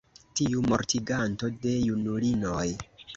tiu mortiganto de junulinoj!